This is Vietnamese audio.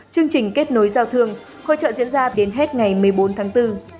chương trình kết nối giao thương hội trợ diễn ra đến hết ngày một mươi bốn tháng bốn